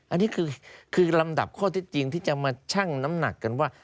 อันนี้คือลำดับข้อเท็จจริงที่จะมาชั่งน้ำหนักกันว่า